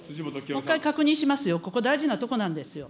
もう一回確認しますよ、ここ、大事なとこなんですよ。